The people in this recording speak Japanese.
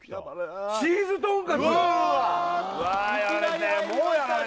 チーズとんかつうわ